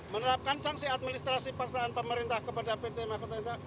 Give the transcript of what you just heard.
menerapkan sanksi administrasi paksaan pemerintah kepada pt mahkota indah